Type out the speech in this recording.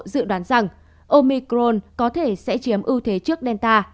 dự đoán rằng omicron có thể sẽ chiếm ưu thế trước delta